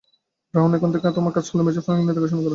Brown, এখন থেকে তোমার কাজ হল মেজর ফ্র্যাঙ্কলিনের দেখাশোনা করা।